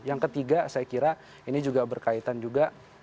yang ketiga saya kira ini juga berkaitan juga